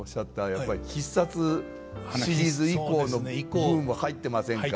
やっぱり「必殺」シリーズ以降の部分も入ってませんか。